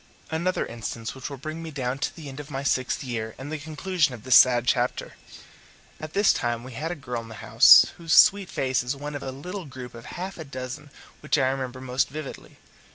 Another instance which will bring me down to the end of my sixth year and the conclusion of this sad chapter. At this time we had a girl in the house, whose sweet face is one of a little group of half a dozen which I remember most vividly.